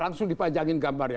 langsung dipajangin gambarnya